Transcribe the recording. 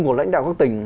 của lãnh đạo các tỉnh